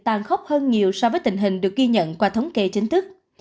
tàn khốc hơn nhiều so với tình hình được ghi nhận qua thống kê chính thức